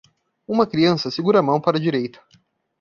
Uma criança segura a mão para a direita.